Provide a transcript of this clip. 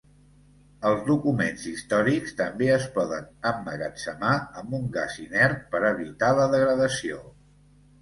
Els documents històrics també es poden emmagatzemar amb un gas inert per evitar la degradació.